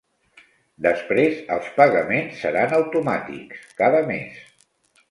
Després els pagaments seran automàtics, cada mes.